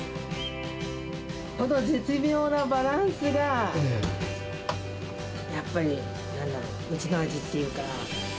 この絶妙なバランスが、やっぱり、うちの味っていうか。